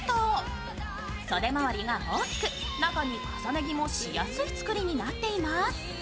袖周りが大きく、中に重ね着もしやすい作りになっています。